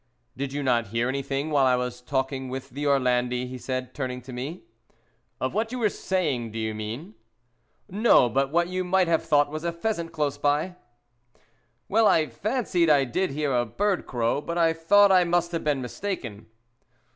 Did you not hear anything while I was talking with Orlandi?" he said, turning to me. "Of what you were saying, do you mean?" "No, but what you might have thought was a pheasant close by?" "Well, I fancied I did hear a bird crow, but I thought I must have been mistaken!"